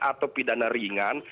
atau pidana ringan